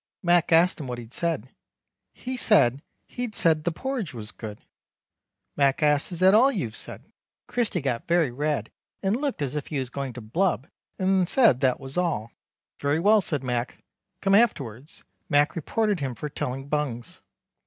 Mac asked him what he'd said. He said he'd said the porridge was good. Mac asked Is that all you've said. Christy got very red and looked as if he was going to blub and said that was all. Very well said Mac Come afterwards. Mac reported him for telling bungs.